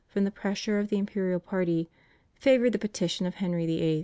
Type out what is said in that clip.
from the pressure of the imperial party, favoured the petition of Henry VIII.